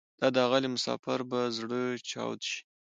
دا داغلی مسافر به زره چاود شي